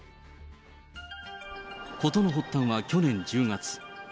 ことの発端は去年１０月。